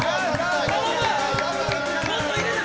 もっと入れな！